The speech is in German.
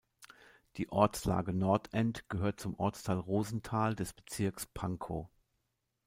Die Ortslage Nordend gehört zum Ortsteil Rosenthal des Bezirks Pankow.